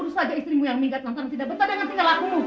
urus saja istrimu yang minggat lantaran tidak betah dengan tindak lakumu